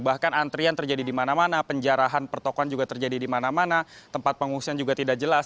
bahkan antrian terjadi di mana mana penjarahan pertokohan juga terjadi di mana mana tempat pengungsian juga tidak jelas